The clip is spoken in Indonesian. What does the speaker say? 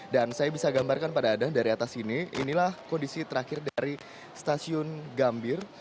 dan saya bisa gambarkan pada adan dari atas ini inilah kondisi terakhir dari stasiun gambir